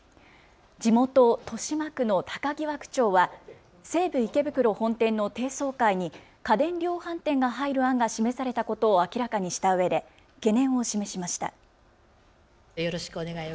地元豊島区の高際区長は西武池袋本店の低層階に家電量販店が入る案が示されたことを明らかにしたうえで懸念を示しました。